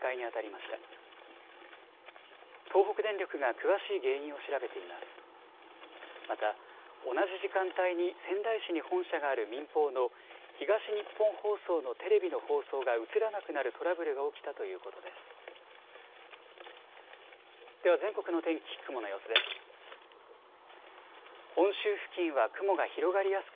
また同じ時間帯に仙台市に本社がある民放の東日本放送のテレビの放送が映らなくなるトラブルが起きたということです。